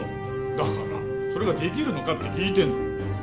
だからそれができるのかって聞いてんの。